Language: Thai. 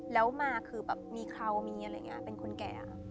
แล้วมาคือแบบมีเครามีอะไรอย่างนี้เป็นคนแก่